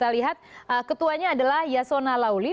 kita lihat ketuanya adalah yasona lauli